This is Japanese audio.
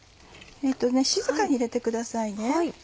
静かに入れてくださいね。